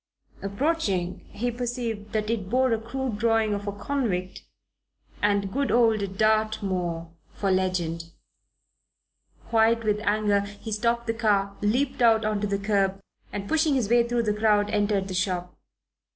Approaching, he perceived that it bore a crude drawing of a convict and "Good old Dartmoor" for legend. White with anger, he stopped the car, leaped out on to the curb, and pushing his way through the crowd, entered the shop.